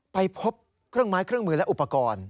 ไปพบเครื่องไม้เครื่องมือและอุปกรณ์